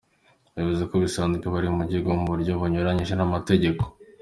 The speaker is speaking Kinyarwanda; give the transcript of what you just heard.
Bivuze ko bisanze bari mu gihugu mu buryo bunyuranyije n’amategeko.